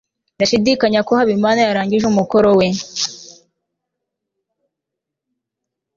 ndashidikanya ko habimana yarangije umukoro we